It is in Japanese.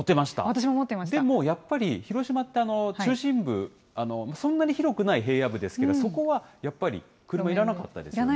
でもやっぱり、広島って中心部、そんなに広くない平野部ですから、そこはやっぱり車いらなかったですね。